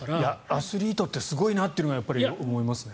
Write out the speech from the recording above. アスリートすごいなというのは思いますね。